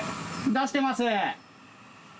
出してます。